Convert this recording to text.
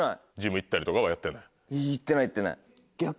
行ってない行ってない。